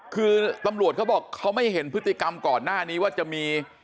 คือตำรวจเขาบอกเขาไม่เห็นพฤติกรรมก่อนหน้านี้ว่าจะมี